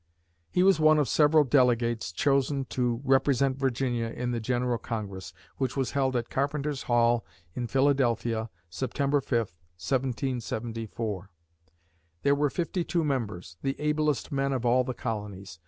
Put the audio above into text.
He was one of several delegates chosen to represent Virginia in the General Congress, which was held at Carpenters' Hall in Philadelphia, September 5, 1774. There were fifty two members, the ablest men of all the colonies.